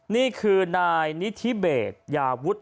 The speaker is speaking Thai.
นี่คือนายนิธิเบสยาวุฒิ